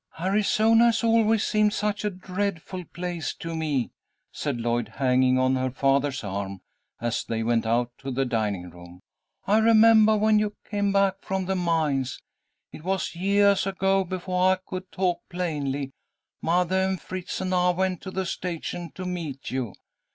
"Arizona has always seemed such a dreadful place to me," said Lloyd, hanging on her father's arm, as they went out to the dining room. "I remembah when you came back from the mines. It was yeahs ago, befo' I could talk plainly. Mothah and Fritz and I went to the station to meet you.